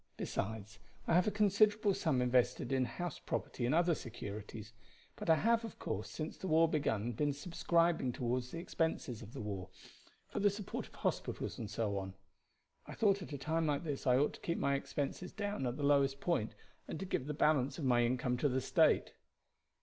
Besides, I have a considerable sum invested in house property and other securities. But I have, of course, since the war began been subscribing toward the expenses of the war for the support of hospitals and so on. I thought at a time like this I ought to keep my expenses down at the lowest point, and to give the balance of my income to the State."